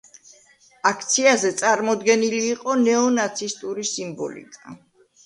აქციაზე წარმოდგენილი იყო ნეონაცისტური სიმბოლიკა.